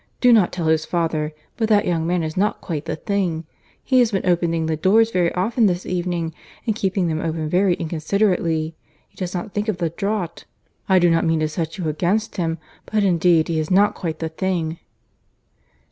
Do not tell his father, but that young man is not quite the thing. He has been opening the doors very often this evening, and keeping them open very inconsiderately. He does not think of the draught. I do not mean to set you against him, but indeed he is not quite the thing!"